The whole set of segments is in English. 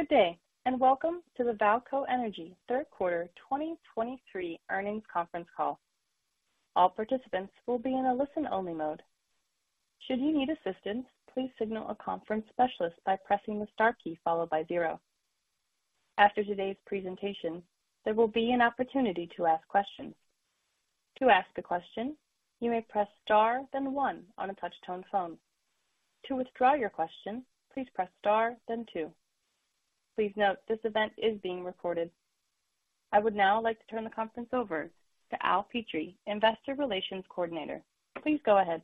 Good day, and welcome to the VAALCO Energy third quarter 2023 earnings conference call. All participants will be in a listen-only mode. Should you need assistance, please signal a conference specialist by pressing the star key followed by zero. After today's presentation, there will be an opportunity to ask questions. To ask a question, you may press Star, then one on a touch-tone phone. To withdraw your question, please press Star, then two. Please note, this event is being recorded. I would now like to turn the conference over to Al Petrie, Investor Relations Coordinator. Please go ahead.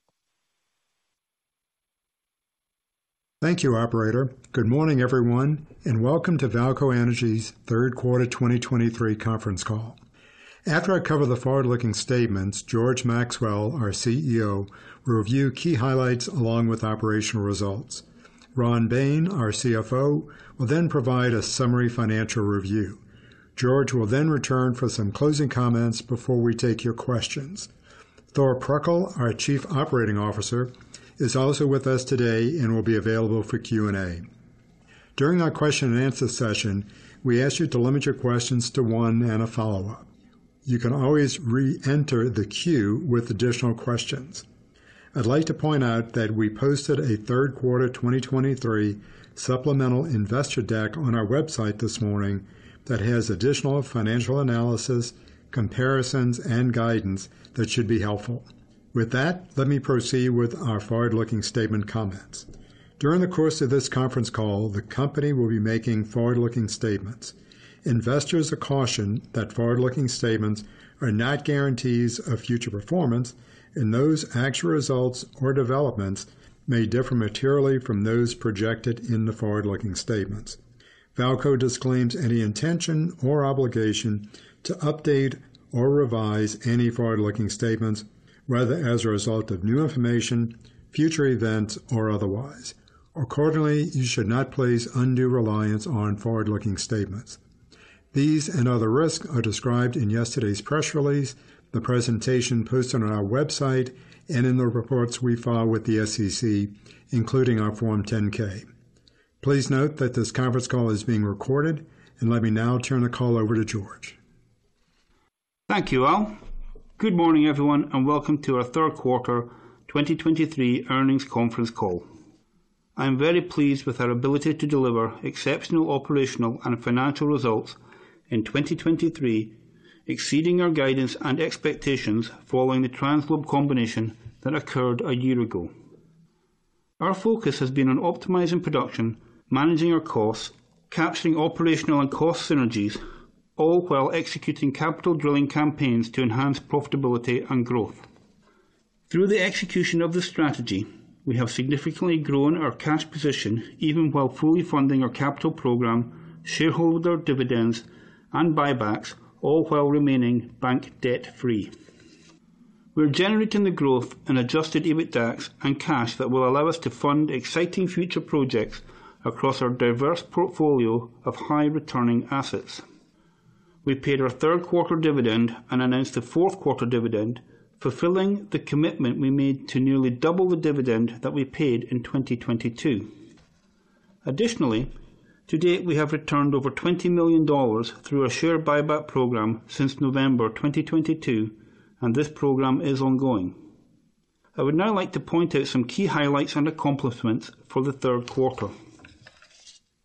Thank you, operator. Good morning, everyone, and welcome to VAALCO Energy's third quarter 2023 conference call. After I cover the forward-looking statements, George Maxwell, our CEO, will review key highlights along with operational results. Ron Bain, our CFO, will then provide a summary financial review. George will then return for some closing comments before we take your questions. Thor Pruckl, our Chief Operating Officer, is also with us today and will be available for Q&A. During our question and answer session, we ask you to limit your questions to one and a follow-up. You can always re-enter the queue with additional questions. I'd like to point out that we posted a third quarter 2023 supplemental investor deck on our website this morning that has additional financial analysis, comparisons, and guidance that should be helpful. With that, let me proceed with our forward-looking statement comments. During the course of this conference call, the company will be making forward-looking statements. Investors are cautioned that forward-looking statements are not guarantees of future performance, and those actual results or developments may differ materially from those projected in the forward-looking statements. VAALCO disclaims any intention or obligation to update or revise any forward-looking statements, whether as a result of new information, future events, or otherwise. Accordingly, you should not place undue reliance on forward-looking statements. These and other risks are described in yesterday's press release, the presentation posted on our website, and in the reports we file with the SEC, including our Form 10-K. Please note that this conference call is being recorded, and let me now turn the call over to George. Thank you, Al. Good morning, everyone, and welcome to our third quarter 2023 earnings conference call. I am very pleased with our ability to deliver exceptional operational and financial results in 2023, exceeding our guidance and expectations following the TransGlobe combination that occurred a year ago. Our focus has been on optimizing production, managing our costs, capturing operational and cost synergies, all while executing capital drilling campaigns to enhance profitability and growth. Through the execution of the strategy, we have significantly grown our cash position, even while fully funding our capital program, shareholder dividends, and buybacks, all while remaining bank debt-free. We're generating the growth in adjusted EBITDAX and cash that will allow us to fund exciting future projects across our diverse portfolio of high-returning assets. We paid our third quarter dividend and announced a fourth quarter dividend, fulfilling the commitment we made to nearly double the dividend that we paid in 2022. Additionally, to date, we have returned over $20 million through a share buyback program since November 2022, and this program is ongoing. I would now like to point out some key highlights and accomplishments for the third quarter.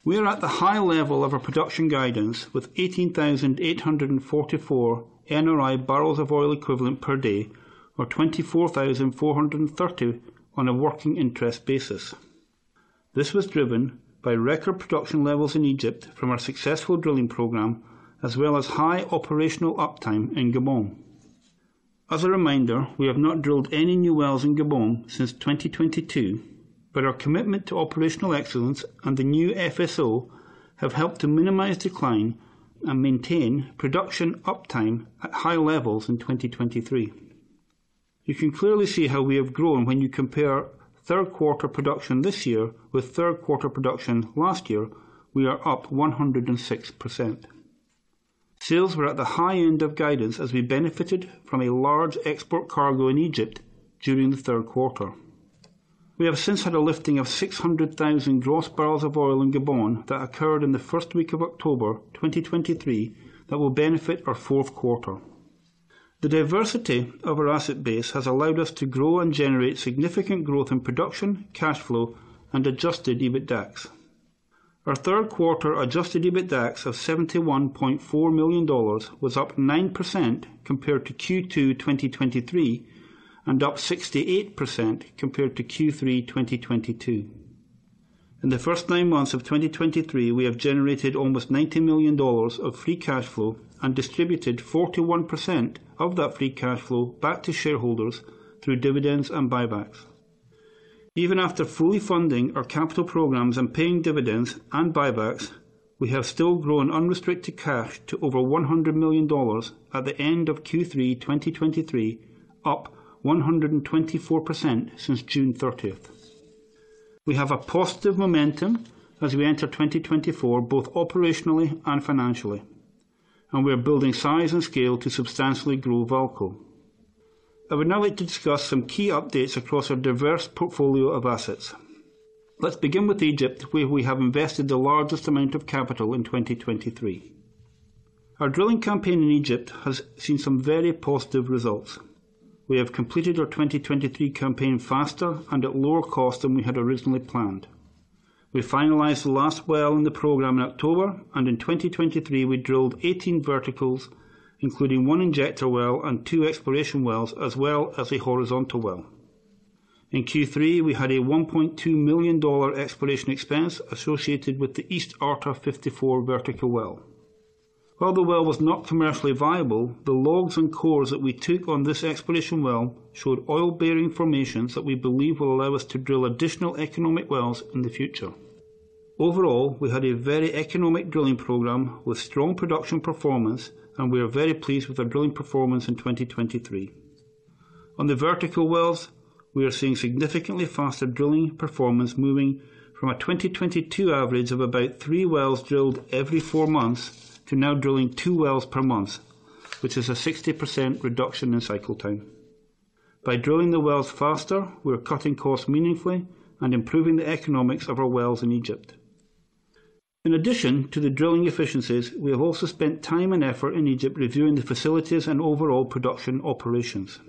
We are at the high level of our production guidance with 18,844 NRI barrels of oil equivalent per day, or 24,430 on a working interest basis. This was driven by record production levels in Egypt from our successful drilling program, as well as high operational uptime in Gabon. As a reminder, we have not drilled any new wells in Gabon since 2022, but our commitment to operational excellence and the new FSO have helped to minimize decline and maintain production uptime at high levels in 2023. You can clearly see how we have grown when you compare third quarter production this year with third quarter production last year; we are up 106%. Sales were at the high end of guidance as we benefited from a large export cargo in Egypt during the third quarter. We have since had a lifting of 600,000 gross barrels of oil in Gabon that occurred in the first week of October 2023 that will benefit our fourth quarter. The diversity of our asset base has allowed us to grow and generate significant growth in production, cash flow, and Adjusted EBITDAX. Our third quarter Adjusted EBITDAX of $71.4 million was up 9% compared to Q2 2023 and up 68% compared to Q3 2022. In the first 9 months of 2023, we have generated almost $90 million of free cash flow and distributed 41% of that free cash flow back to shareholders through dividends and buybacks. Even after fully funding our capital programs and paying dividends and buybacks, we have still grown unrestricted cash to over $100 million at the end of Q3 2023, up 124% since June 30. We have a positive momentum as we enter 2024, both operationally and financially, and we are building size and scale to substantially grow VAALCO.... I would now like to discuss some key updates across our diverse portfolio of assets. Let's begin with Egypt, where we have invested the largest amount of capital in 2023. Our drilling campaign in Egypt has seen some very positive results. We have completed our 2023 campaign faster and at lower cost than we had originally planned. We finalized the last well in the program in October, and in 2023, we drilled 18 verticals, including 1 injector well and 2 exploration wells, as well as a horizontal well. In Q3, we had a $1.2 million exploration expense associated with the East Arta 54 vertical well. While the well was not commercially viable, the logs and cores that we took on this exploration well showed oil-bearing formations that we believe will allow us to drill additional economic wells in the future. Overall, we had a very economic drilling program with strong production performance, and we are very pleased with our drilling performance in 2023. On the vertical wells, we are seeing significantly faster drilling performance, moving from a 2022 average of about 3 wells drilled every 4 months to now drilling 2 wells per month, which is a 60% reduction in cycle time. By drilling the wells faster, we are cutting costs meaningfully and improving the economics of our wells in Egypt. In addition to the drilling efficiencies, we have also spent time and effort in Egypt reviewing the facilities and overall production operations.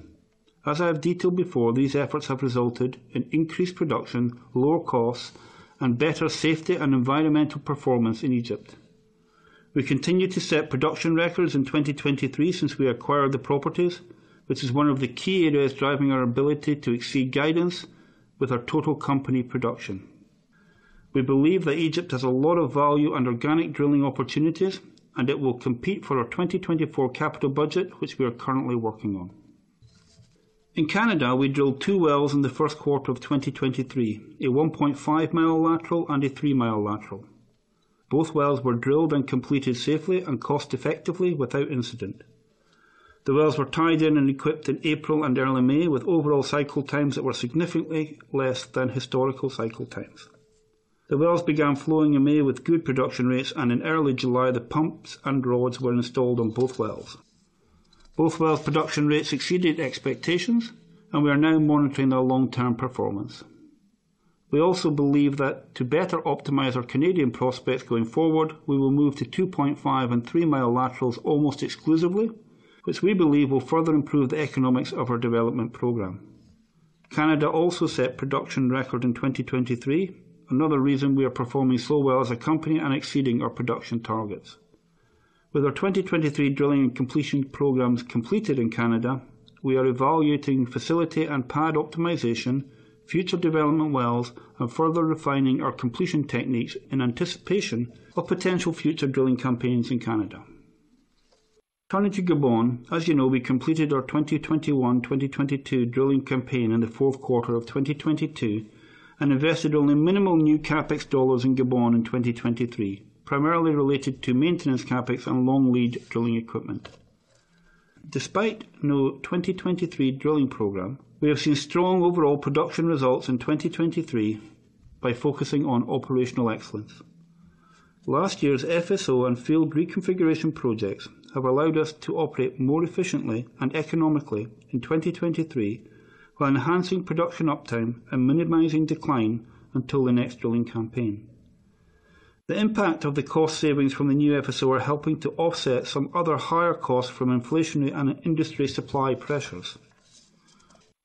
As I have detailed before, these efforts have resulted in increased production, lower costs, and better safety and environmental performance in Egypt. We continue to set production records in 2023 since we acquired the properties, which is one of the key areas driving our ability to exceed guidance with our total company production. We believe that Egypt has a lot of value and organic drilling opportunities, and it will compete for our 2024 capital budget, which we are currently working on. In Canada, we drilled two wells in the first quarter of 2023, a 1.5-mile lateral and a 3-mile lateral. Both wells were drilled and completed safely and cost effectively without incident. The wells were tied in and equipped in April and early May, with overall cycle times that were significantly less than historical cycle times. The wells began flowing in May with good production rates, and in early July, the pumps and rods were installed on both wells. Both wells' production rates exceeded expectations, and we are now monitoring their long-term performance. We also believe that to better optimize our Canadian prospects going forward, we will move to 2.5- and 3-mile laterals almost exclusively, which we believe will further improve the economics of our development program. Canada also set production record in 2023, another reason we are performing so well as a company and exceeding our production targets. With our 2023 drilling and completion programs completed in Canada, we are evaluating facility and pad optimization, future development wells, and further refining our completion techniques in anticipation of potential future drilling campaigns in Canada. Turning to Gabon, as you know, we completed our 2021, 2022 drilling campaign in the fourth quarter of 2022, and invested only minimal new CapEx dollars in Gabon in 2023, primarily related to maintenance CapEx and long-lead drilling equipment. Despite no 2023 drilling program, we have seen strong overall production results in 2023 by focusing on operational excellence. Last year's FSO and field reconfiguration projects have allowed us to operate more efficiently and economically in 2023, while enhancing production uptime and minimizing decline until the next drilling campaign. The impact of the cost savings from the new FSO are helping to offset some other higher costs from inflationary and industry supply pressures.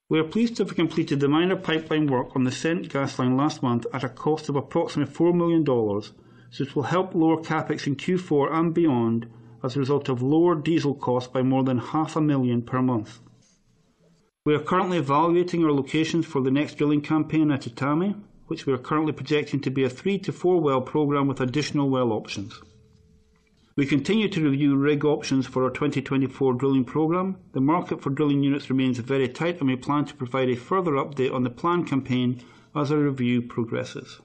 We are pleased to have completed the minor pipeline work on the CentGas line last month at a cost of approximately $4 million, which will help lower CapEx in Q4 and beyond as a result of lower diesel costs by more than $500,000 per month. We are currently evaluating our locations for the next drilling campaign at Etame, which we are currently projecting to be a 3-4-well program with additional well options. We continue to review rig options for our 2024 drilling program. The market for drilling units remains very tight, and we plan to provide a further update on the planned campaign as our review progresses.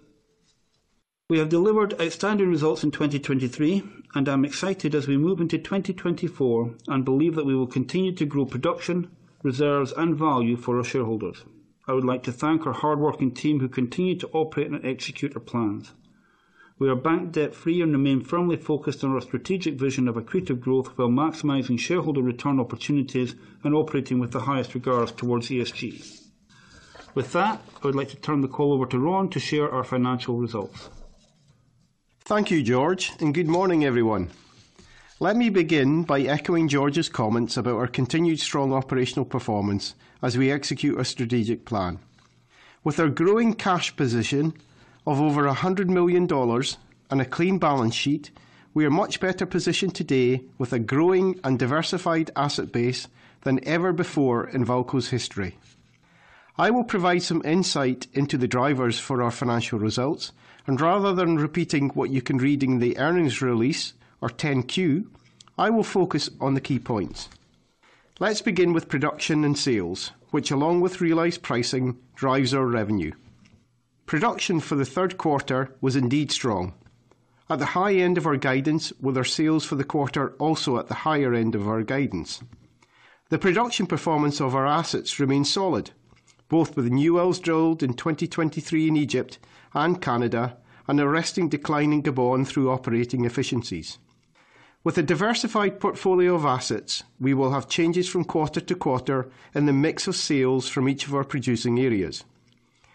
We have delivered outstanding results in 2023, and I'm excited as we move into 2024, and believe that we will continue to grow production, reserves, and value for our shareholders. I would like to thank our hardworking team who continue to operate and execute our plans. We are bank debt-free and remain firmly focused on our strategic vision of accretive growth, while maximizing shareholder return opportunities and operating with the highest regards towards ESG. With that, I would like to turn the call over to Ron to share our financial results. Thank you, George, and good morning, everyone. Let me begin by echoing George's comments about our continued strong operational performance as we execute our strategic plan. With our growing cash position of over $100 million and a clean balance sheet, we are much better positioned today with a growing and diversified asset base than ever before in VAALCO's history. I will provide some insight into the drivers for our financial results, and rather than repeating what you can read in the earnings release or 10-Q, I will focus on the key points. Let's begin with production and sales, which, along with realized pricing, drives our revenue. Production for the third quarter was indeed strong. At the high end of our guidance were our sales for the quarter, also at the higher end of our guidance. The production performance of our assets remains solid, both with the new wells drilled in 2023 in Egypt and Canada, and arresting decline in Gabon through operating efficiencies. With a diversified portfolio of assets, we will have changes from quarter to quarter in the mix of sales from each of our producing areas.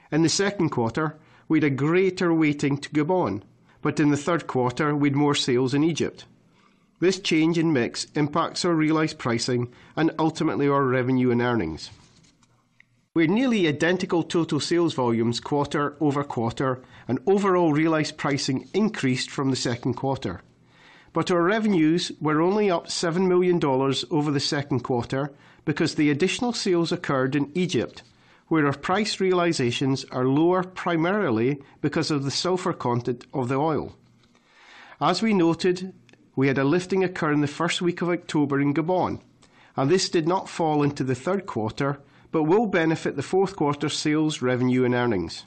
In the second quarter, we had a greater weighting to Gabon, but in the third quarter, we had more sales in Egypt. This change in mix impacts our realized pricing and ultimately our revenue and earnings. We had nearly identical total sales volumes quarter-over-quarter, and overall realized pricing increased from the second quarter. But our revenues were only up $7 million over the second quarter because the additional sales occurred in Egypt, where our price realizations are lower, primarily because of the sulfur content of the oil. As we noted, we had a lifting occur in the first week of October in Gabon, and this did not fall into the third quarter but will benefit the fourth quarter sales, revenue, and earnings.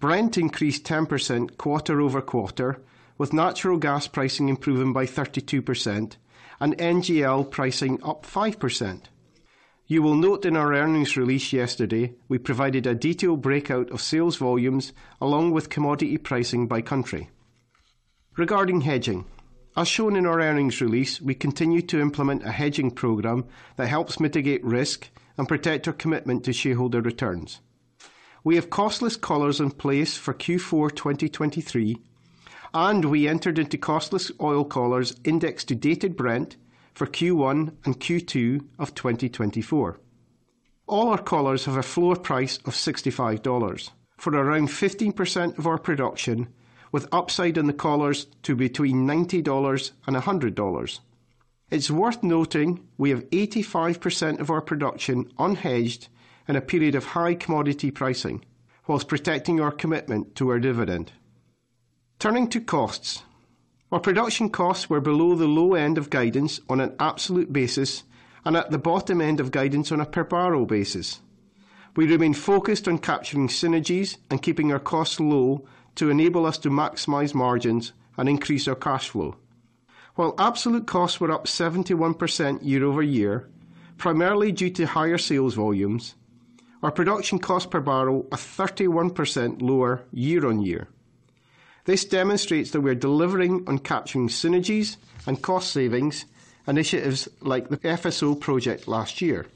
Brent increased 10% quarter-over-quarter, with natural gas pricing improving by 32% and NGL pricing up 5%. You will note in our earnings release yesterday, we provided a detailed breakout of sales volumes along with commodity pricing by country. Regarding hedging, as shown in our earnings release, we continue to implement a hedging program that helps mitigate risk and protect our commitment to shareholder returns. We have costless collars in place for Q4 2023, and we entered into costless oil collars indexed to dated Brent for Q1 and Q2 of 2024. All our collars have a floor price of $65 for around 15% of our production, with upside in the collars to between $90 and $100. It's worth noting, we have 85% of our production unhedged in a period of high commodity pricing, while protecting our commitment to our dividend. Turning to costs. Our production costs were below the low end of guidance on an absolute basis and at the bottom end of guidance on a per-barrel basis. We remain focused on capturing synergies and keeping our costs low to enable us to maximize margins and increase our cash flow. While absolute costs were up 71% year-over-year, primarily due to higher sales volumes, our production cost per barrel are 31% lower year-over-year. This demonstrates that we are delivering on capturing synergies and cost savings, initiatives like the FSO project last year.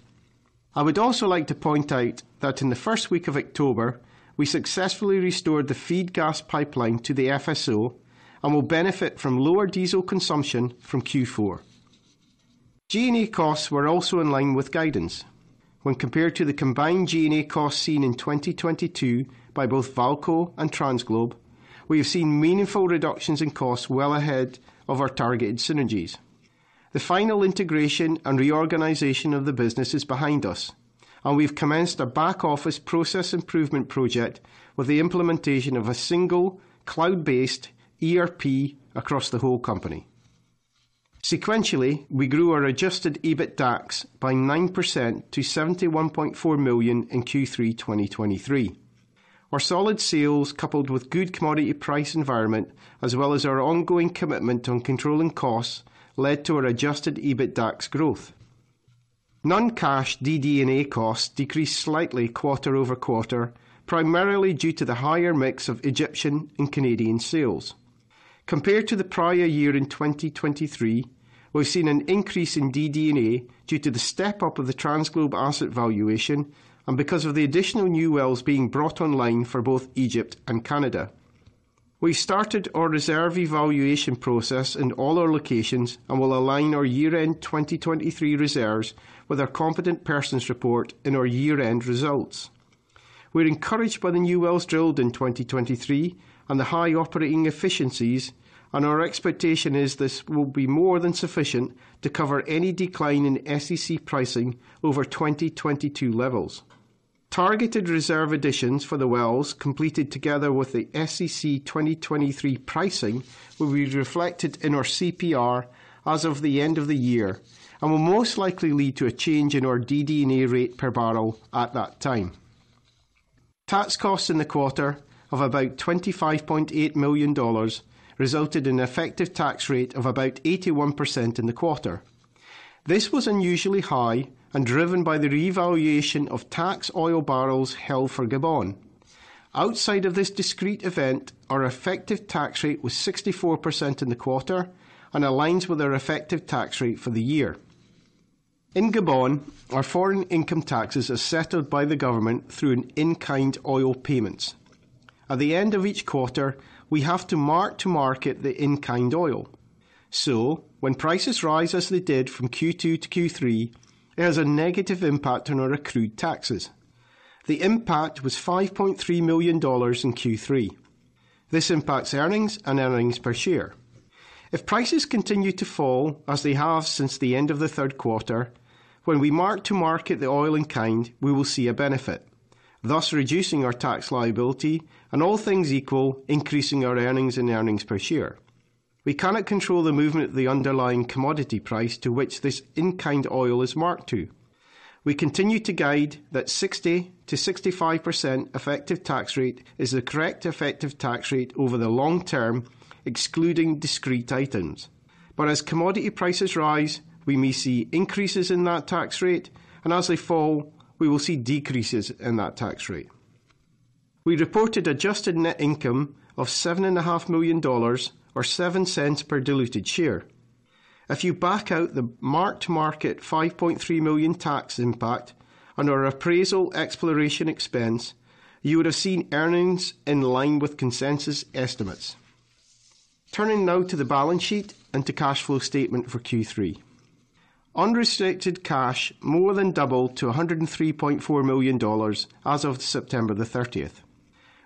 I would also like to point out that in the first week of October, we successfully restored the FEED gas pipeline to the FSO and will benefit from lower diesel consumption from Q4. G&A costs were also in line with guidance. When compared to the combined G&A costs seen in 2022 by both VAALCO and TransGlobe, we have seen meaningful reductions in costs well ahead of our targeted synergies. The final integration and reorganization of the business is behind us, and we've commenced a back-office process improvement project with the implementation of a single cloud-based ERP across the whole company. Sequentially, we grew our adjusted EBITDAX by 9% to $71.4 million in Q3 2023. Our solid sales, coupled with good commodity price environment, as well as our ongoing commitment on controlling costs, led to our adjusted EBITDAX growth. Non-cash DD&A costs decreased slightly quarter-over-quarter, primarily due to the higher mix of Egyptian and Canadian sales. Compared to the prior year in 2023, we've seen an increase in DD&A due to the step up of the TransGlobe asset valuation and because of the additional new wells being brought online for both Egypt and Canada. We started our reserve evaluation process in all our locations and will align our year-end 2023 reserves with our Competent Persons Report in our year-end results. We're encouraged by the new wells drilled in 2023 and the high operating efficiencies, and our expectation is this will be more than sufficient to cover any decline in SEC pricing over 2022 levels. Targeted reserve additions for the wells completed together with the SEC 2023 pricing, will be reflected in our CPR as of the end of the year, and will most likely lead to a change in our DD&A rate per barrel at that time. Tax costs in the quarter of about $25.8 million resulted in an effective tax rate of about 81% in the quarter. This was unusually high and driven by the revaluation of tax oil barrels held for Gabon. Outside of this discrete event, our effective tax rate was 64% in the quarter and aligns with our effective tax rate for the year. In Gabon, our foreign income taxes are settled by the government through an in-kind oil payments. At the end of each quarter, we have to mark-to-market the in-kind oil. So when prices rise, as they did from Q2 to Q3, it has a negative impact on our accrued taxes. The impact was $5.3 million in Q3. This impacts earnings and earnings per share. If prices continue to fall, as they have since the end of the third quarter, when we mark to market the oil in kind, we will see a benefit, thus reducing our tax liability and all things equal, increasing our earnings and earnings per share. We cannot control the movement of the underlying commodity price to which this in-kind oil is marked to. We continue to guide that 60%-65% effective tax rate is the correct effective tax rate over the long term, excluding discrete items. But as commodity prices rise, we may see increases in that tax rate, and as they fall, we will see decreases in that tax rate. We reported adjusted net income of $7.5 million, or $0.07 per diluted share. If you back out the marked-to-market $5.3 million tax impact on our appraisal exploration expense, you would have seen earnings in line with consensus estimates. Turning now to the balance sheet and to cash flow statement for Q3. Unrestricted cash more than doubled to $103.4 million as of September 30.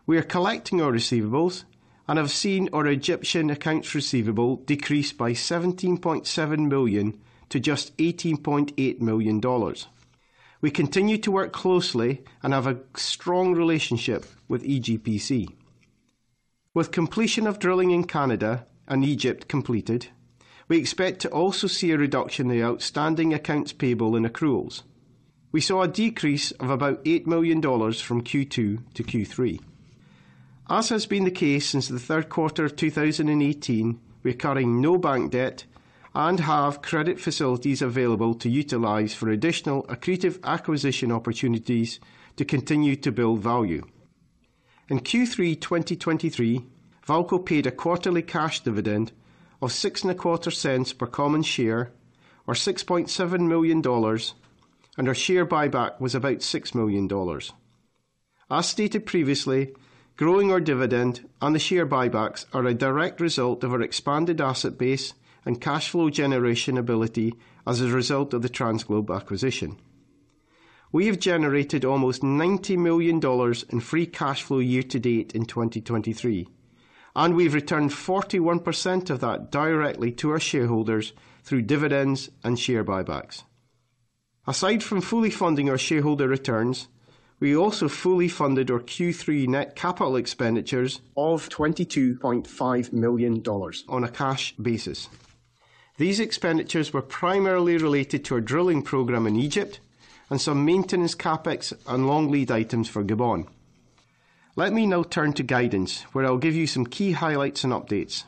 We are collecting our receivables and have seen our Egyptian accounts receivable decrease by $17.7 million to just $18.8 million. We continue to work closely and have a strong relationship with EGPC. With completion of drilling in Canada and Egypt completed, we expect to also see a reduction in the outstanding accounts payable and accruals. We saw a decrease of about $8 million from Q2 to Q3. As has been the case since the third quarter of 2018, we are carrying no bank debt and have credit facilities available to utilize for additional accretive acquisition opportunities to continue to build value. In Q3, 2023, VAALCO paid a quarterly cash dividend of $0.0625 per common share, or $6.7 million, and our share buyback was about $6 million. As stated previously, growing our dividend and the share buybacks are a direct result of our expanded asset base and cash flow generation ability as a result of the TransGlobe acquisition. We have generated almost $90 million in free cash flow year to date in 2023, and we've returned 41% of that directly to our shareholders through dividends and share buybacks. Aside from fully funding our shareholder returns, we also fully funded our Q3 net capital expenditures of $22.5 million on a cash basis. These expenditures were primarily related to our drilling program in Egypt and some maintenance CapEx and long lead items for Gabon. Let me now turn to guidance, where I'll give you some key highlights and updates.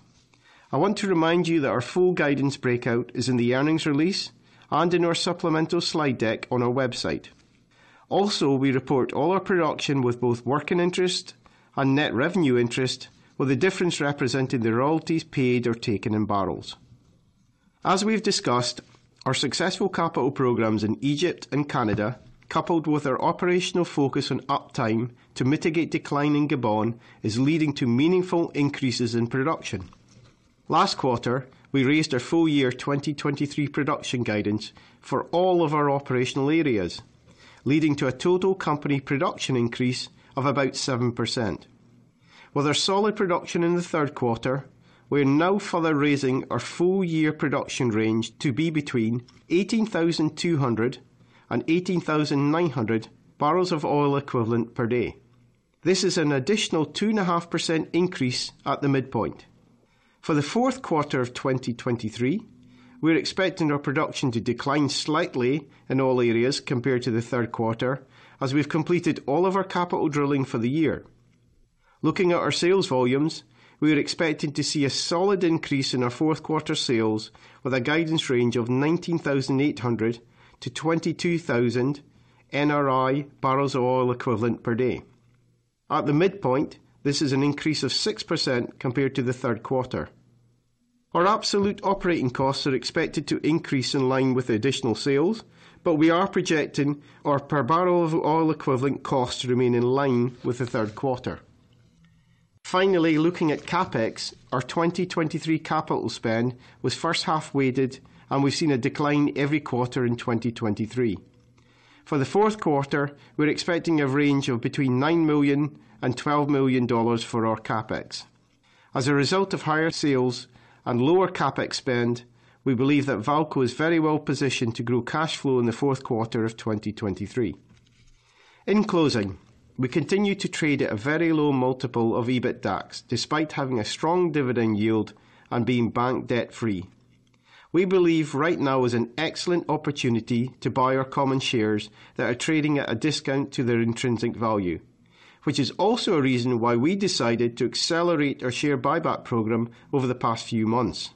I want to remind you that our full guidance breakout is in the earnings release and in our supplemental slide deck on our website. Also, we report all our production with both working interest and net revenue interest, with the difference represented in the royalties paid or taken in barrels. As we've discussed, our successful capital programs in Egypt and Canada, coupled with our operational focus on uptime to mitigate decline in Gabon, is leading to meaningful increases in production. Last quarter, we raised our full-year 2023 production guidance for all of our operational areas, leading to a total company production increase of about 7%. With our solid production in the third quarter, we're now further raising our full-year production range to be between 18,200 and 18,900 barrels of oil equivalent per day. This is an additional 2.5% increase at the midpoint. For the fourth quarter of 2023, we're expecting our production to decline slightly in all areas compared to the third quarter as we've completed all of our capital drilling for the year. Looking at our sales volumes, we are expecting to see a solid increase in our fourth quarter sales with a guidance range of 19,800 to 22,000 NRI barrels of oil equivalent per day. At the midpoint, this is an increase of 6% compared to the third quarter. Our absolute operating costs are expected to increase in line with the additional sales, but we are projecting our per barrel of oil equivalent costs to remain in line with the third quarter. Finally, looking at CapEx, our 2023 capital spend was first half weighted, and we've seen a decline every quarter in 2023. For the fourth quarter, we're expecting a range of between $9 million and $12 million for our CapEx. As a result of higher sales and lower CapEx spend, we believe that VAALCO is very well positioned to grow cash flow in the fourth quarter of 2023. In closing, we continue to trade at a very low multiple of EBITDAX, despite having a strong dividend yield and being bank debt-free. We believe right now is an excellent opportunity to buy our common shares that are trading at a discount to their intrinsic value, which is also a reason why we decided to accelerate our share buyback program over the past few months.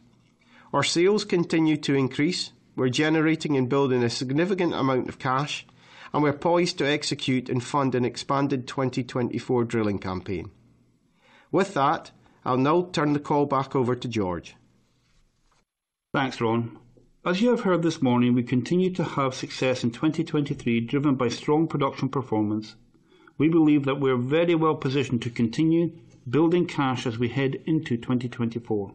Our sales continue to increase. We're generating and building a significant amount of cash, and we're poised to execute and fund an expanded 2024 drilling campaign. With that, I'll now turn the call back over to George. Thanks, Ron. As you have heard this morning, we continue to have success in 2023, driven by strong production performance. We believe that we are very well positioned to continue building cash as we head into 2024.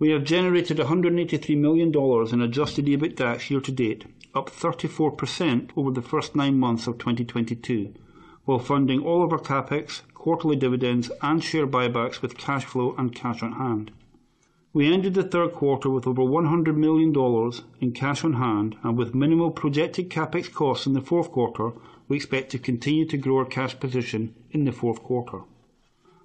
We have generated $183 million in Adjusted EBITDAX year to date, up 34% over the first nine months of 2022, while funding all of our CapEx, quarterly dividends, and share buybacks with cash flow and cash on hand. We ended the third quarter with over $100 million in cash on hand, and with minimal projected CapEx costs in the fourth quarter, we expect to continue to grow our cash position in the fourth quarter.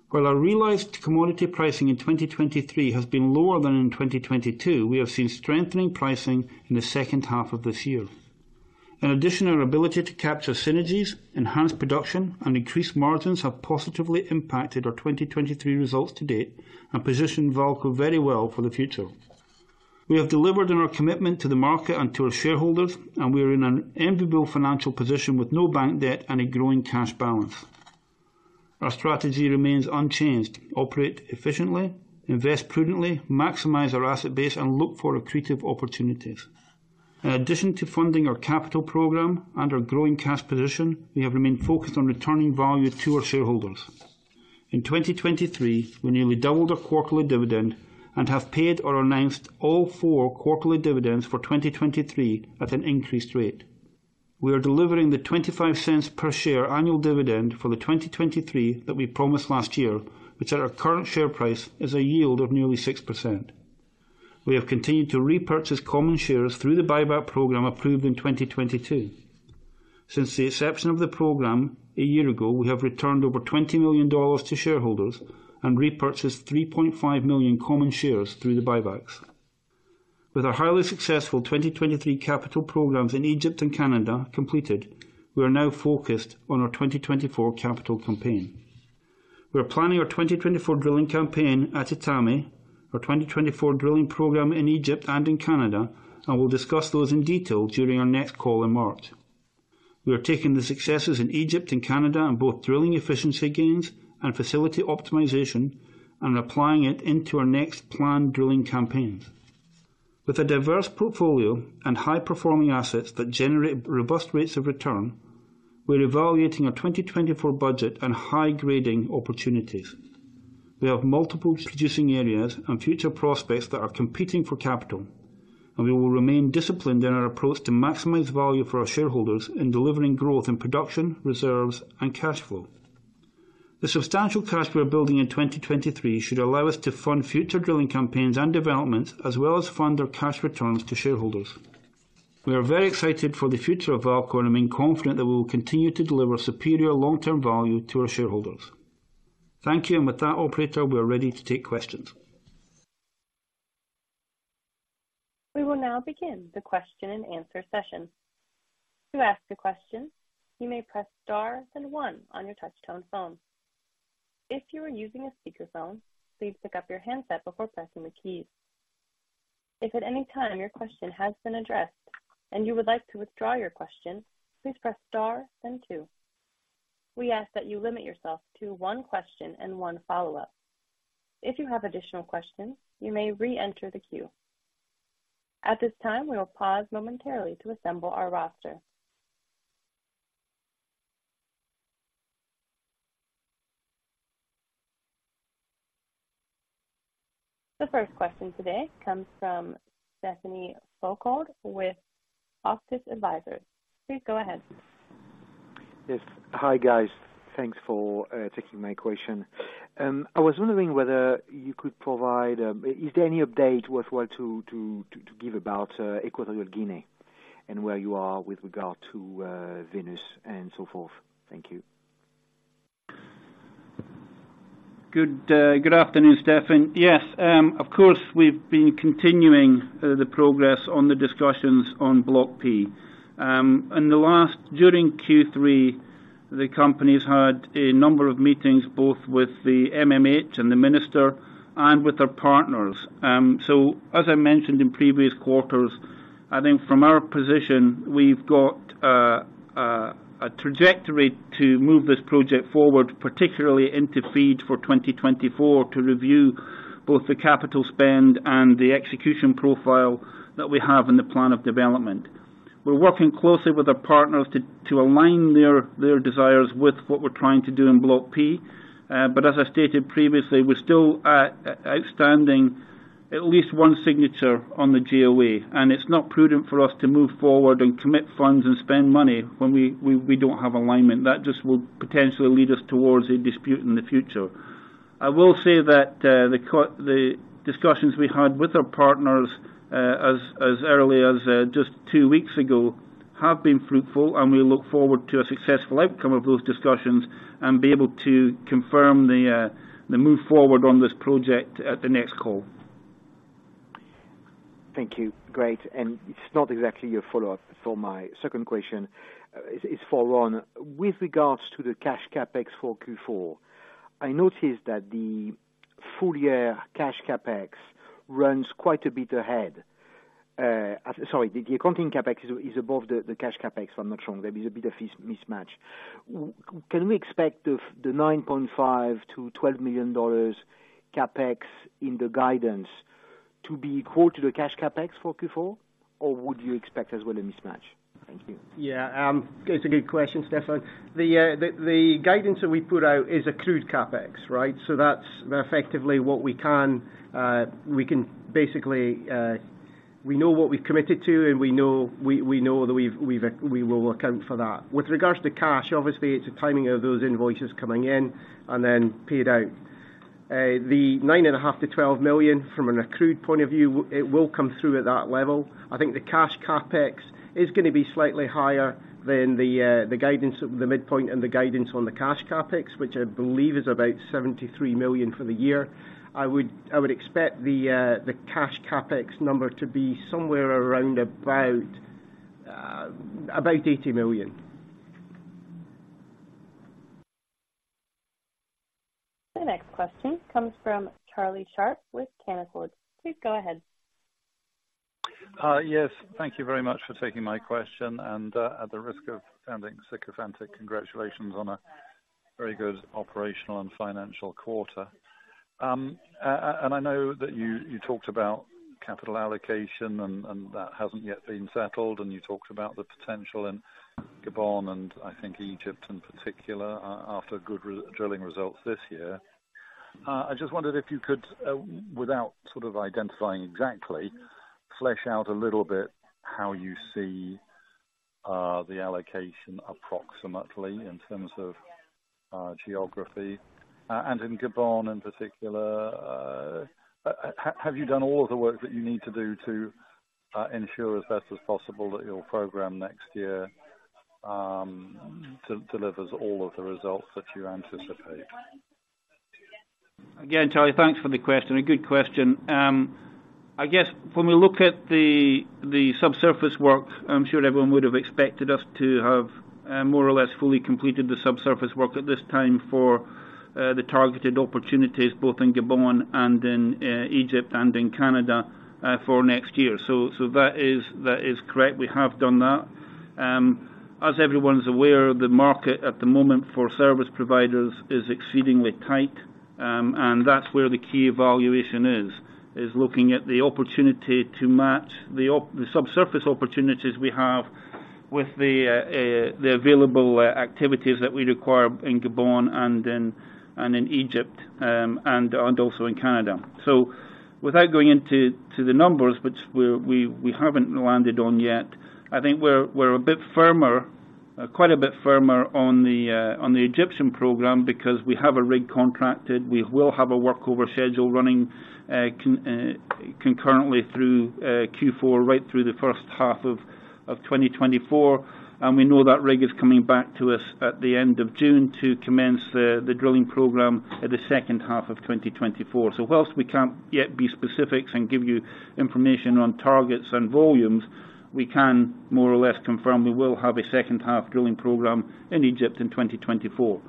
While our realized commodity pricing in 2023 has been lower than in 2022, we have seen strengthening pricing in the second half of this year. In addition, our ability to capture synergies, enhance production, and increase margins have positively impacted our 2023 results to date and positioned VAALCO very well for the future. We have delivered on our commitment to the market and to our shareholders, and we are in an enviable financial position with no bank debt and a growing cash balance. Our strategy remains unchanged: operate efficiently, invest prudently, maximize our asset base, and look for accretive opportunities. In addition to funding our capital program and our growing cash position, we have remained focused on returning value to our shareholders. In 2023, we nearly doubled our quarterly dividend and have paid or announced all four quarterly dividends for 2023 at an increased rate. We are delivering the $0.25 per share annual dividend for the 2023 that we promised last year, which at our current share price, is a yield of nearly 6%. We have continued to repurchase common shares through the buyback program approved in 2022. Since the inception of the program a year ago, we have returned over $20 million to shareholders and repurchased 3.5 million common shares through the buybacks. With our highly successful 2023 capital programs in Egypt and Canada completed, we are now focused on our 2024 capital campaign. We are planning our 2024 drilling campaign at Etame, our 2024 drilling program in Egypt and in Canada, and we'll discuss those in detail during our next call in March. We are taking the successes in Egypt and Canada on both drilling efficiency gains and facility optimization, and applying it into our next planned drilling campaign. With a diverse portfolio and high-performing assets that generate robust rates of return, we're evaluating our 2024 budget and high-grading opportunities. We have multiple producing areas and future prospects that are competing for capital, and we will remain disciplined in our approach to maximize value for our shareholders in delivering growth in production, reserves, and cash flow. The substantial cash we are building in 2023 should allow us to fund future drilling campaigns and developments, as well as fund our cash returns to shareholders. We are very excited for the future of VAALCO and remain confident that we will continue to deliver superior long-term value to our shareholders. Thank you. And with that, operator, we are ready to take questions. We will now begin the question and answer session. To ask a question, you may press star then one on your touchtone phone. If you are using a speakerphone, please pick up your handset before pressing the keys. If at any time your question has been addressed and you would like to withdraw your question, please press star then two. We ask that you limit yourself to one question and one follow-up. If you have additional questions, you may reenter the queue. At this time, we will pause momentarily to assemble our roster. The first question today comes from Stéphane Foucaud with Auctus Advisors. Please go ahead. Yes. Hi, guys. Thanks for taking my question. I was wondering whether you could provide... Is there any update worthwhile to give about Equatorial Guinea and where you are with regard to Venus and so forth? Thank you. Good, good afternoon, Stéphane. Yes, of course, we've been continuing the progress on the discussions on Block P. In the last, during Q3, the company's had a number of meetings, both with the MMH and the minister and with our partners. So as I mentioned in previous quarters, I think from our position, we've got a trajectory to move this project forward, particularly into FEED for 2024, to review both the capital spend and the execution profile that we have in the plan of development. We're working closely with our partners to align their desires with what we're trying to do in Block P. But as I stated previously, we're still outstanding at least one signature on the JOA, and it's not prudent for us to move forward and commit funds and spend money when we don't have alignment. That just will potentially lead us towards a dispute in the future. I will say that the discussions we had with our partners, as early as just two weeks ago, have been fruitful, and we look forward to a successful outcome of those discussions and be able to confirm the move forward on this project at the next call. Thank you. Great. It's not exactly a follow-up for my second question. It's for Ron. With regards to the cash CapEx for Q4, I noticed that the full year cash CapEx runs quite a bit ahead. Sorry, the accounting CapEx is above the cash CapEx, if I'm not wrong, there is a bit of mismatch. Can we expect the $9.5-$12 million CapEx in the guidance to be equal to the cash CapEx for Q4, or would you expect as well a mismatch? Thank you. Yeah, it's a good question, Stéphane. The guidance that we put out is accrued CapEx, right? So that's effectively what we can basically know what we've committed to, and we know that we will account for that. With regards to cash, obviously, it's a timing of those invoices coming in and then paid out. The $9.5 million-$12 million, from an accrued point of view, it will come through at that level. I think the cash CapEx is gonna be slightly higher than the guidance, the midpoint and the guidance on the cash CapEx, which I believe is about $73 million for the year. I would expect the cash CapEx number to be somewhere around about $80 million. The next question comes from Charlie Sharp with Canaccord. Please go ahead. Yes, thank you very much for taking my question, and at the risk of sounding sycophantic, congratulations on a very good operational and financial quarter. And I know that you talked about capital allocation and that hasn't yet been settled, and you talked about the potential in Gabon and I think Egypt in particular, after good re-drilling results this year. I just wondered if you could, without sort of identifying exactly, flesh out a little bit how you see the allocation approximately in terms of geography. And in Gabon, in particular, have you done all of the work that you need to do to ensure as best as possible that your program next year delivers all of the results that you anticipate? Again, Charlie, thanks for the question. A good question. I guess when we look at the subsurface work, I'm sure everyone would have expected us to have more or less fully completed the subsurface work at this time for the targeted opportunities, both in Gabon and in Egypt and in Canada for next year. So, so that is, that is correct. We have done that. As everyone's aware, the market at the moment for service providers is exceedingly tight, and that's where the key evaluation is, is looking at the opportunity to match the subsurface opportunities we have with the available activities that we require in Gabon and in Egypt, and also in Canada. So without going into the numbers, which we haven't landed on yet, I think we're a bit firmer, quite a bit firmer on the Egyptian program because we have a rig contracted. We will have a workover schedule running concurrently through Q4, right through the first half of 2024, and we know that rig is coming back to us at the end of June to commence the drilling program at the second half of 2024. So whilst we can't yet be specific and give you information on targets and volumes, we can more or less confirm we will have a second half drilling program in Egypt in 2024.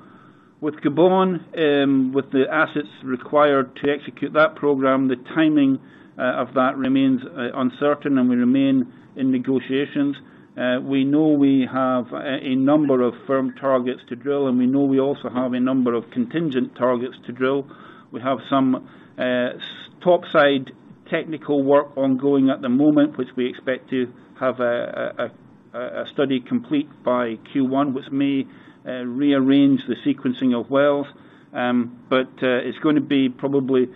With Gabon, with the assets required to execute that program, the timing of that remains uncertain and we remain in negotiations. We know we have a number of firm targets to drill, and we know we also have a number of contingent targets to drill. We have some topside technical work ongoing at the moment, which we expect to have a study complete by Q1, which may rearrange the sequencing of wells. But it's gonna be probably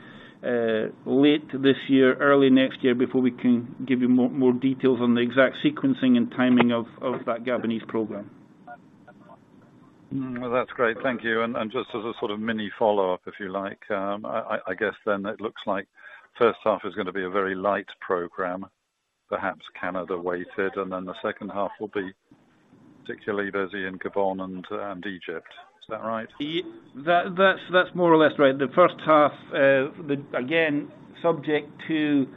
late this year, early next year before we can give you more details on the exact sequencing and timing of that Gabonese program. Hmm. Well, that's great. Thank you. And just as a sort of mini follow-up, if you like, I guess then it looks like first half is gonna be a very light program, perhaps Canada-weighted, and then the second half will be particularly busy in Gabon and Egypt. Is that right? Yeah, that, that's more or less right. The first half, the, again, subject to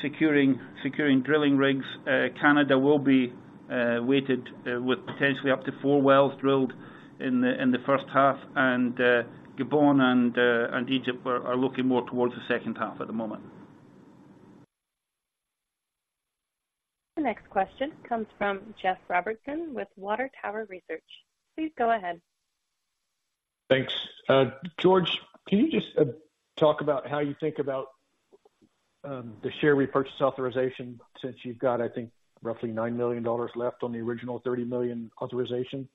securing drilling rigs, Canada will be weighted with potentially up to four wells drilled in the first half, and Gabon and Egypt are looking more towards the second half at the moment. The next question comes from Jeff Robertson with Water Tower Research. Please go ahead. Thanks. George, can you just talk about how you think about the share repurchase authorization, since you've got, I think, roughly $9 million left on the original $30 million authorization,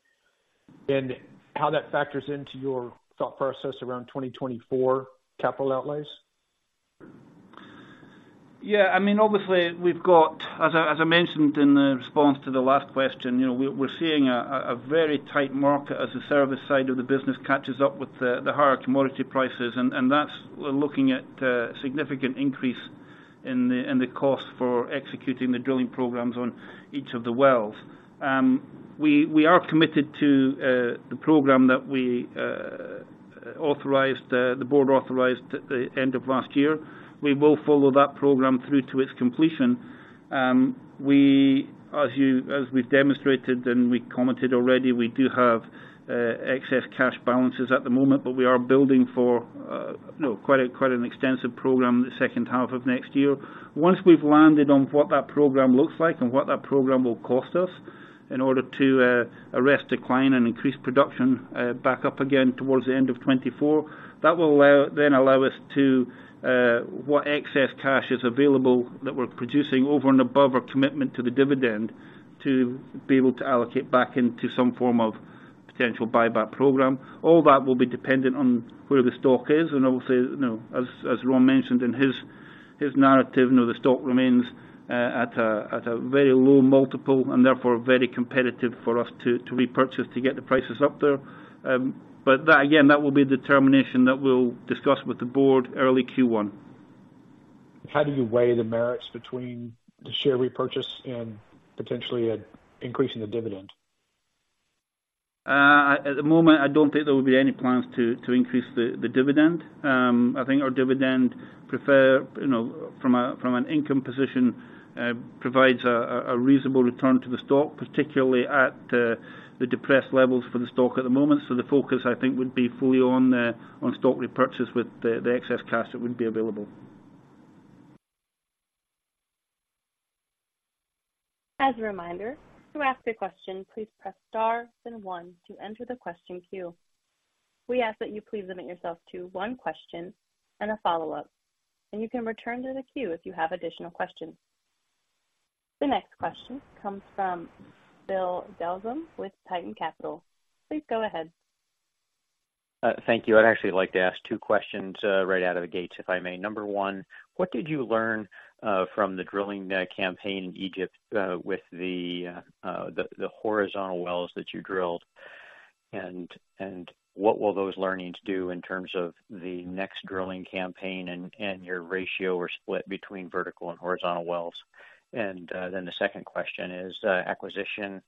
and how that factors into your thought process around 2024 capital outlays? Yeah, I mean, obviously we've got. As I mentioned in the response to the last question, you know, we're seeing a very tight market as the service side of the business catches up with the higher commodity prices, and that's. We're looking at a significant increase in the cost for executing the drilling programs on each of the wells. We are committed to the program that we authorized, the board authorized at the end of last year. We will follow that program through to its completion. We, as we've demonstrated and we commented already, we do have excess cash balances at the moment, but we are building for, you know, quite an extensive program the second half of next year. Once we've landed on what that program looks like and what that program will cost us in order to arrest decline and increase production back up again towards the end of 2024, that will allow then allow us to what excess cash is available that we're producing over and above our commitment to the dividend, to be able to allocate back into some form of potential buyback program. All that will be dependent on where the stock is, and obviously, you know, as Ron mentioned in his narrative, you know, the stock remains at a very low multiple and therefore very competitive for us to repurchase to get the prices up there. But that again that will be the determination that we'll discuss with the board early Q1. How do you weigh the merits between the share repurchase and potentially at increasing the dividend? At the moment, I don't think there will be any plans to increase the dividend. I think our dividend preference, you know, from an income position, provides a reasonable return to the stock, particularly at the depressed levels for the stock at the moment. So the focus, I think, would be fully on stock repurchase with the excess cash that would be available. As a reminder, to ask a question, please press star, then one to enter the question queue. We ask that you please limit yourself to one question and a follow-up, and you can return to the queue if you have additional questions. The next question comes from Bill Dezellem with Tieton Capital. Please go ahead. Thank you. I'd actually like to ask 2 questions, right out of the gates, if I may. Number 1, what did you learn from the drilling campaign in Egypt with the horizontal wells that you drilled? And what will those learnings do in terms of the next drilling campaign and your ratio or split between vertical and horizontal wells? And then the second question is, acquisition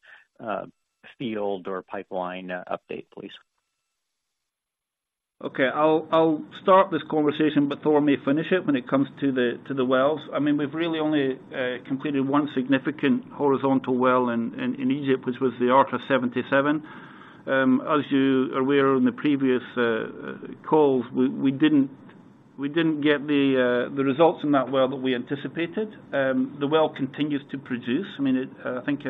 field or pipeline update, please. Okay. I'll start this conversation, but Thor may finish it when it comes to the wells. I mean, we've really only completed one significant horizontal well in Egypt, which was the Arta 77. As you are aware, in the previous calls, we didn't get the results in that well that we anticipated. The well continues to produce. I mean, it... I think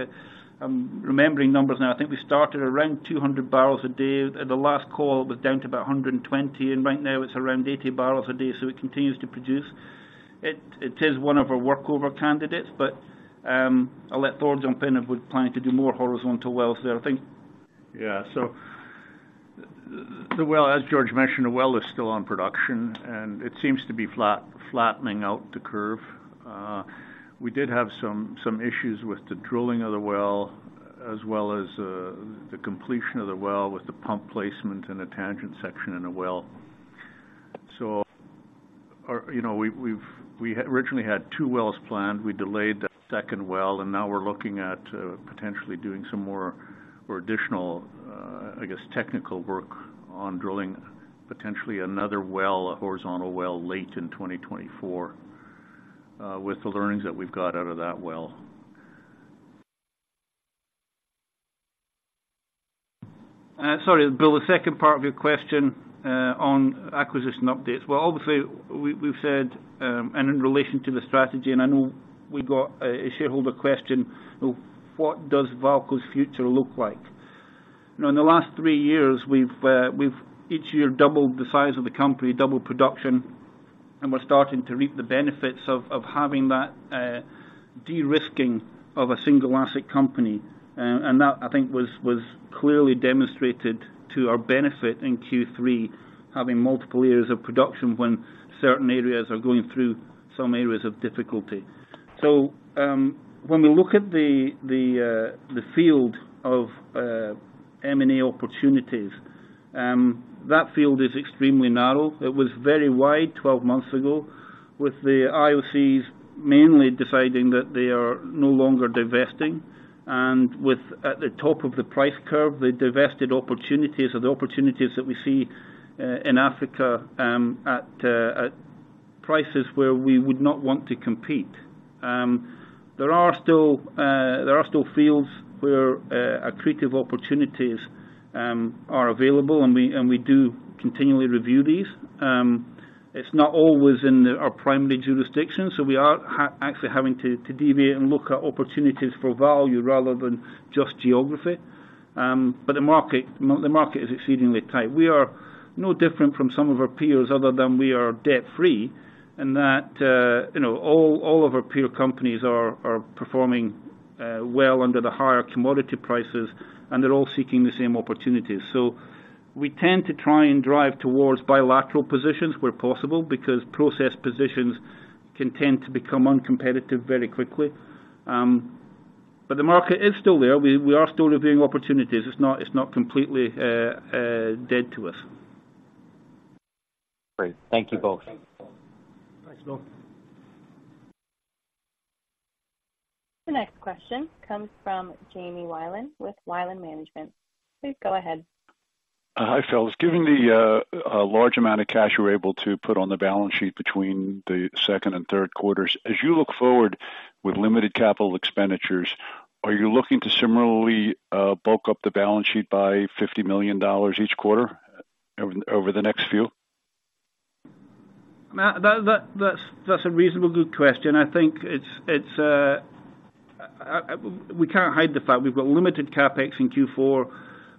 I'm remembering numbers now. I think we started around 200 barrels a day. At the last call, it was down to about 120, and right now it's around 80 barrels a day, so it continues to produce. It is one of our workover candidates, but I'll let Thor jump in if we're planning to do more horizontal wells there, I think. Yeah. So the well, as George mentioned, the well is still on production, and it seems to be flattening out the curve. We did have some issues with the drilling of the well, as well as the completion of the well with the pump placement and the tangent section in the well. So, you know, we've... We originally had 2 wells planned. We delayed the second well, and now we're looking at potentially doing some more or additional, I guess, technical work on drilling, potentially another well, a horizontal well late in 2024, with the learnings that we've got out of that well. Sorry, Bill, the second part of your question on acquisition updates. Well, obviously, we've said, and in relation to the strategy, and I know we've got a shareholder question, what does VAALCO's future look like? You know, in the last three years, we've each year doubled the size of the company, doubled production, and we're starting to reap the benefits of having that de-risking of a single asset company. And that, I think, was clearly demonstrated to our benefit in Q3, having multiple years of production when certain areas are going through some areas of difficulty. So, when we look at the field of M&A opportunities, that field is extremely narrow. It was very wide 12 months ago, with the IOCs mainly deciding that they are no longer divesting and with, at the top of the price curve, the divested opportunities or the opportunities that we see in Africa at prices where we would not want to compete. There are still, there are still fields where accretive opportunities are available, and we, and we do continually review these. It's not always in our primary jurisdiction, so we are actually having to deviate and look at opportunities for value rather than just geography. But the market, the market is exceedingly tight. We are no different from some of our peers, other than we are debt-free, and that, you know, all of our peer companies are performing well under the higher commodity prices, and they're all seeking the same opportunities. So we tend to try and drive towards bilateral positions where possible, because process positions can tend to become uncompetitive very quickly. But the market is still there. We are still reviewing opportunities. It's not completely dead to us. Great. Thank you both. Thanks, Bill. The next question comes from James Wilen with Wilen Management. Please go ahead. Hi, fellas. Given the large amount of cash you were able to put on the balance sheet between the second and third quarters, as you look forward with limited capital expenditures, are you looking to similarly bulk up the balance sheet by $50 million each quarter over the next few? That's a reasonably good question. I think it's we can't hide the fact we've got limited CapEx in Q4.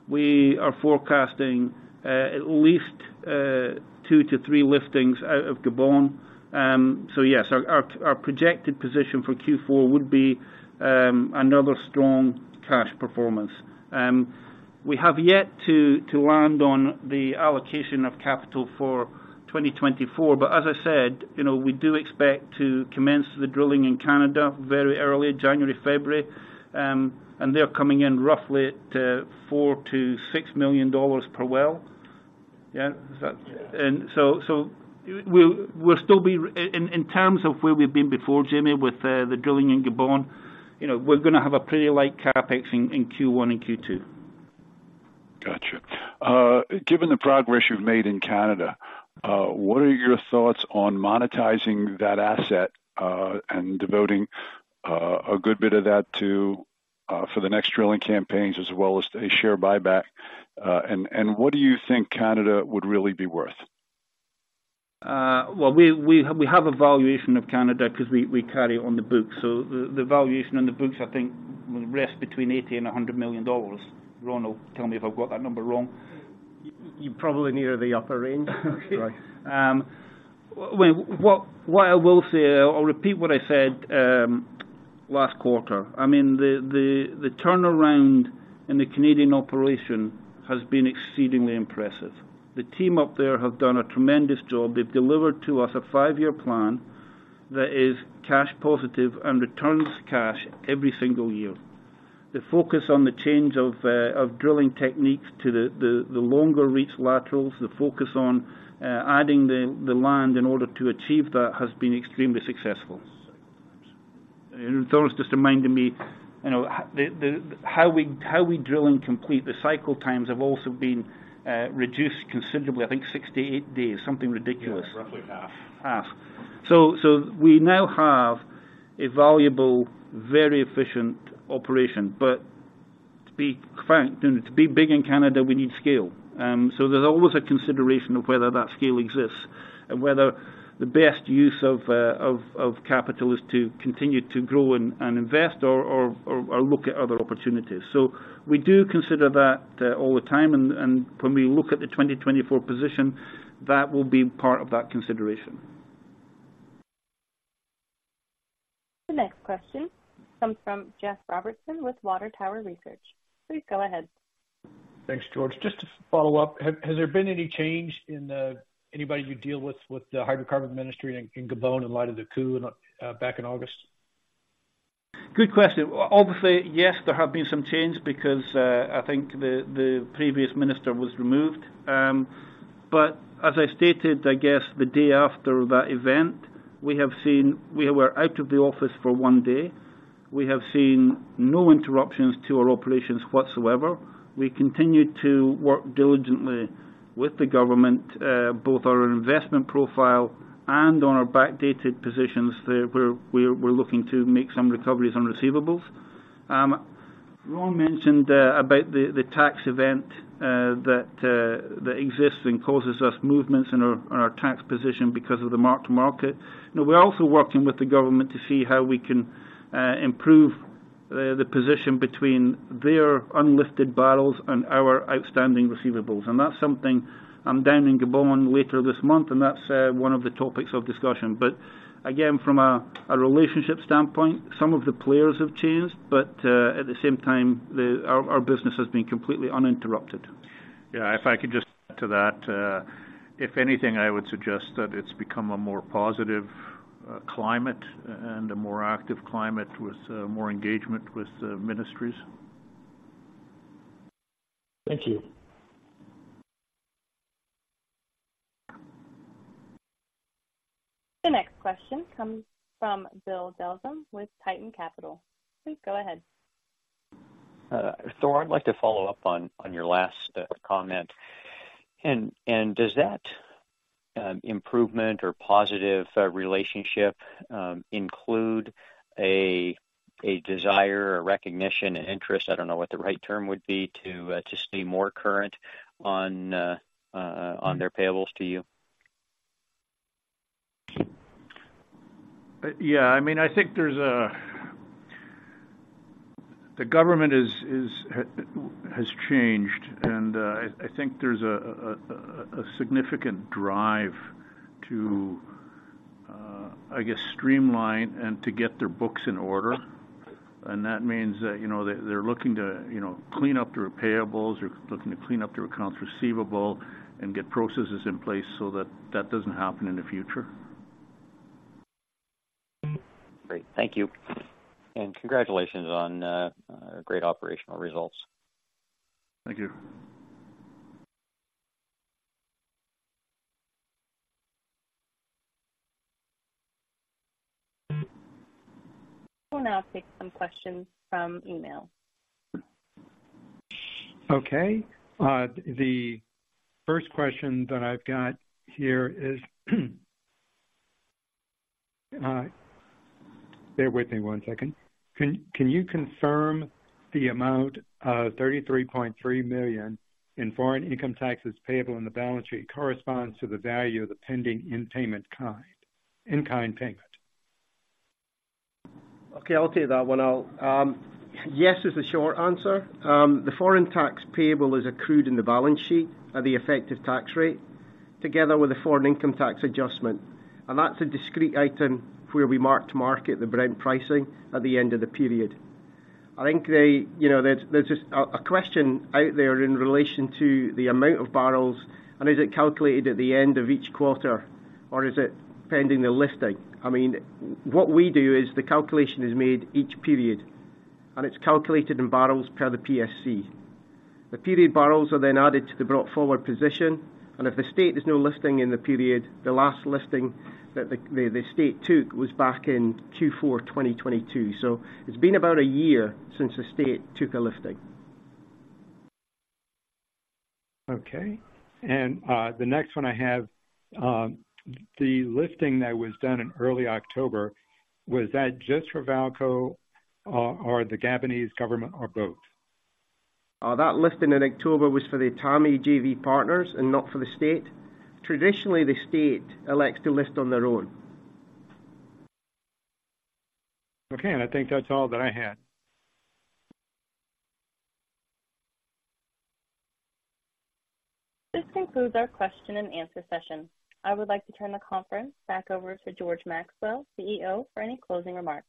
We are forecasting at least two to three liftings out of Gabon. So yes, our projected position for Q4 would be another strong cash performance. We have yet to land on the allocation of capital for 2024, but as I said, you know, we do expect to commence the drilling in Canada very early, January, February. And they're coming in roughly at $4 million-$6 million per well. Yeah? Is that- Yeah. So we'll still be in terms of where we've been before, Jamie, with the drilling in Gabon, you know, we're gonna have a pretty light CapEx in Q1 and Q2. Gotcha. Given the progress you've made in Canada, what are your thoughts on monetizing that asset, and devoting a good bit of that to for the next drilling campaigns, as well as a share buyback? And what do you think Canada would really be worth?... Well, we have a valuation of Canada because we carry it on the books. So the valuation on the books, I think, rests between $80 million and $100 million. Ron will tell me if I've got that number wrong. You're probably nearer the upper range. Okay. Well, what I will say, I'll repeat what I said last quarter. I mean, the turnaround in the Canadian operation has been exceedingly impressive. The team up there have done a tremendous job. They've delivered to us a five-year plan that is cash positive and returns cash every single year. The focus on the change of drilling techniques to the longer reach laterals, the focus on adding the land in order to achieve that, has been extremely successful. And Thor's just reminding me, you know, how we drill and complete the cycle times have also been reduced considerably, I think 60-80 days, something ridiculous. Yeah, roughly half. Half. So we now have a valuable, very efficient operation. But to be frank, and to be big in Canada, we need scale. So there's always a consideration of whether that scale exists and whether the best use of capital is to continue to grow and invest or look at other opportunities. So we do consider that all the time, and when we look at the 2024 position, that will be part of that consideration. The next question comes from Jeff Robertson with Water Tower Research. Please go ahead. Thanks, George. Just to follow up, has there been any change in anybody you deal with with the Hydrocarbon Ministry in Gabon, in light of the coup back in August? Good question. Obviously, yes, there have been some changes because I think the previous minister was removed. But as I stated, I guess, the day after that event, we have seen... We were out of the office for one day. We have seen no interruptions to our operations whatsoever. We continue to work diligently with the government, both on our investment profile and on our backdated positions, where we're looking to make some recoveries on receivables. Ron mentioned about the tax event that exists and causes us movements in our tax position because of the mark to market. Now, we're also working with the government to see how we can improve the position between their unlifted barrels and our outstanding receivable. That's something I'm down in Gabon later this month, and that's one of the topics of discussion. But again, from a relationship standpoint, some of the players have changed, but at the same time, our business has been completely uninterrupted. Yeah, if I could just add to that, if anything, I would suggest that it's become a more positive climate and a more active climate with more engagement with the ministries. Thank you. The next question comes from Bill Dezellem with Tieton Capital. Please go ahead. Thor, I'd like to follow up on your last comment. Does that improvement or positive relationship include a desire or recognition and interest, I don't know what the right term would be, to stay more current on their payables to you? Yeah, I mean, I think there's a... The government has changed, and I think there's a significant drive to, I guess, streamline and to get their books in order. And that means that, you know, they, they're looking to, you know, clean up their payables. They're looking to clean up their accounts receivable and get processes in place so that that doesn't happen in the future. Great. Thank you. Congratulations on great operational results. Thank you. We'll now take some questions from email. Okay, the first question that I've got here is... Bear with me one second. Can you confirm the amount of $33.3 million in foreign income taxes payable on the balance sheet corresponds to the value of the pending in-payment kind, in-kind payment? Okay, I'll take that one. I'll, yes, is the short answer. The foreign tax payable is accrued in the balance sheet at the effective tax rate, together with a foreign income tax adjustment. And that's a discrete item where we mark to market the Brent pricing at the end of the period. I think they, you know, there's a question out there in relation to the amount of barrels, and is it calculated at the end of each quarter, or is it pending the lifting? I mean, what we do is the calculation is made each period, and it's calculated in barrels per the PSC. The period barrels are then added to the brought forward position, and if the state, there's no lifting in the period. The last lifting that the state took was back in Q4 2022. It's been about a year since the state took a lifting. Okay. And, the next one I have, the lifting that was done in early October, was that just for VAALCO or, or the Gabonese government, or both? ...that lifting in October was for the Etame JV partners and not for the state. Traditionally, the state elects to lift on their own. Okay, and I think that's all that I had. This concludes our question and answer session. I would like to turn the conference back over to George Maxwell, CEO, for any closing remarks.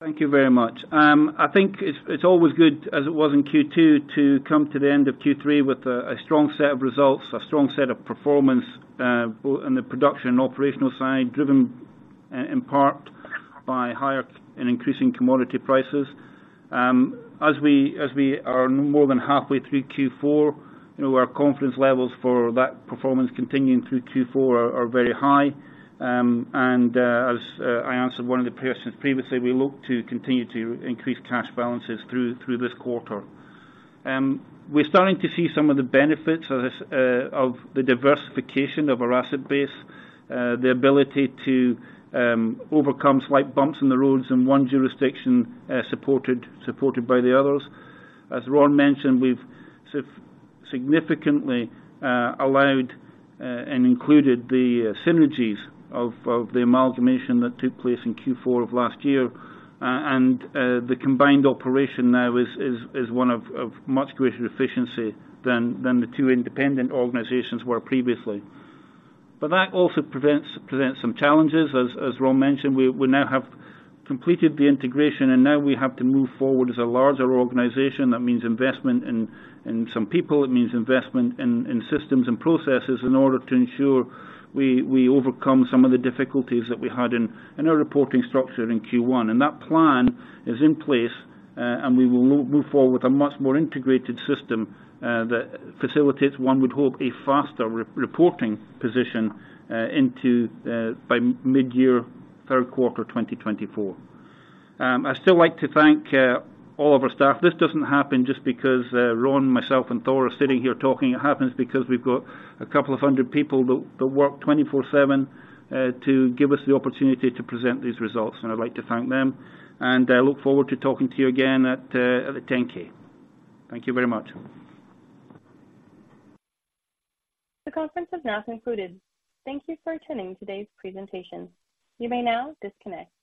Thank you very much. I think it's always good, as it was in Q2, to come to the end of Q3 with a strong set of results, a strong set of performance, both in the production and operational side, driven in part by higher and increasing commodity prices. As we are more than halfway through Q4, you know, our confidence levels for that performance continuing through Q4 are very high. And as I answered one of the questions previously, we look to continue to increase cash balances through this quarter. We're starting to see some of the benefits of this, of the diversification of our asset base, the ability to overcome slight bumps in the roads in one jurisdiction, supported by the others. As Ron mentioned, we've significantly allowed and included the synergies of the amalgamation that took place in Q4 of last year. And the combined operation now is one of much greater efficiency than the two independent organizations were previously. But that also presents some challenges. As Ron mentioned, we now have completed the integration, and now we have to move forward as a larger organization. That means investment in some people, it means investment in systems and processes in order to ensure we overcome some of the difficulties that we had in our reporting structure in Q1. That plan is in place, and we will move forward with a much more integrated system that facilitates, one would hope, a faster re-reporting position into, by mid-year, third quarter, 2024. I'd still like to thank all of our staff. This doesn't happen just because Ron, myself, and Thor are sitting here talking. It happens because we've got a couple of hundred people that work 24/7 to give us the opportunity to present these results, and I'd like to thank them, and I look forward to talking to you again at the 10-K. Thank you very much. The conference has now concluded. Thank you for attending today's presentation. You may now disconnect.